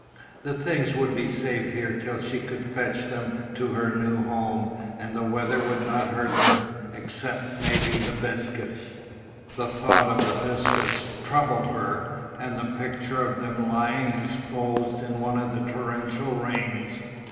The things would be safe here till she could fetch them to her new home, and the weather would not hurt them, except, maybe, the biscuits. The thought of the biscuits troubled her, and the picture of them lying exposed in one of the torrential rains.